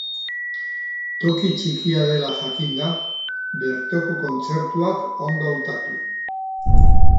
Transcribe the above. Toki txikia dela jakinda, bertoko kontzertuak ondo hautatu.